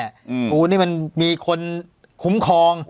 กูเนี่ยมันมีคนคุ้มครอง